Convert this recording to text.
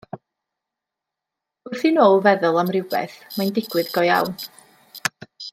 Wrth i Now feddwl am rywbeth, mae'n digwydd go iawn.